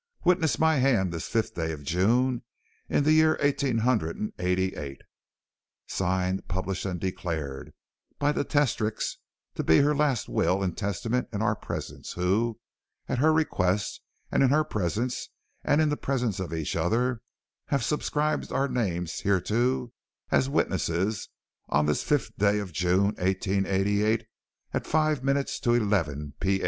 "Witness my hand this fifth day of June, in the year eighteen hundred and eighty eight. "Signed, published, and declared } by the testatrix to be her last will } and testament, in our presence, who, } at her request and in her presence } and in the presence of each other, } have subscribed our names hereto as } witnesses, on this 5th day of June, } 1888, at five minutes to eleven P.